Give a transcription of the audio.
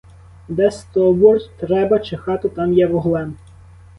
А де стовбур треба чи хату, там я вуглем.